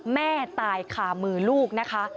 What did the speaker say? แม่ตายคามือลูกนะคะ